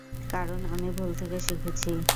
কারন আমি ভুল থেকে শিখেছি।